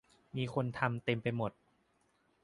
มีคนทำเต็มไปหมด